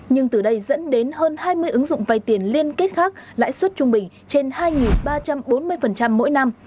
nhưng từ đây dẫn đến hơn hai mươi ứng dụng vay tiền liên kết khác lãi suất trung bình trên hai ba trăm bốn mươi mỗi năm